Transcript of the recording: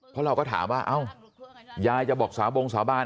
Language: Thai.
เพราะเราก็ถามว่าเอ้ายายจะบอกสาบงสาบาน